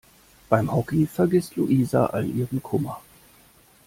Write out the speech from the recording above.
Beim Hockey vergisst Luisa all ihren Kummer.